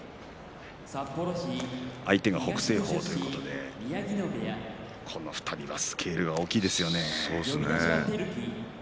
相手が北青鵬ということでこの２人はスケールが大きいですよね。